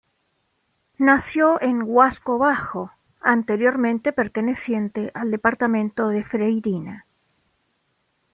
Nació en Huasco Bajo, anteriormente perteneciente al Departamento de Freirina.